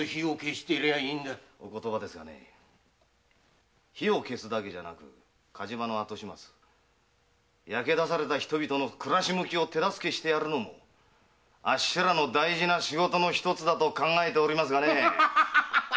お言葉ですがね火を消すだけじゃなく火事場の後始末や焼け出された人々の暮らし向きを手助けしてやるのもあっしらの大事な仕事のひとつと考えておりますがね！